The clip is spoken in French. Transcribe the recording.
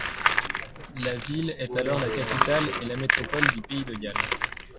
La ville est alors la capitale et la métropole du pays de Galles.